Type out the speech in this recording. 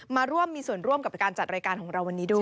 มาร่วมมีส่วนร่วมกับการจัดรายการของเราวันนี้ด้วย